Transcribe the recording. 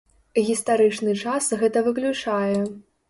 Гістарычны час гэта выключае.